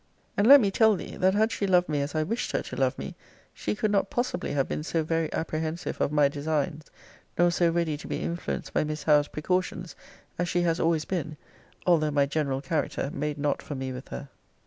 And, let me tell thee, that had she loved me as I wished her to love me, she could not possibly have been so very apprehensive of my designs, nor so ready to be influenced by Miss Howe's precautions, as she has always been, although my general character made not for me with her.